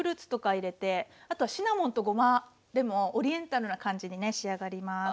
あとはシナモンとごまでもオリエンタルな感じにね仕上がります。